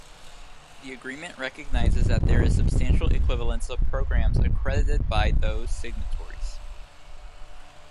The agreement recognizes that there is substantial equivalence of programs accredited by those signatories.